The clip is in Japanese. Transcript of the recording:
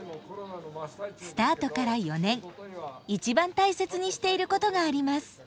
スタートから４年一番大切にしていることがあります。